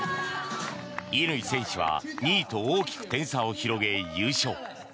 乾選手は２位と大きく点差を広げ優勝。